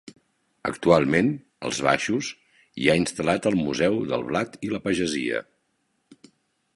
Actualment, als baixos, hi ha instal·lat el Museu del Blat i la Pagesia.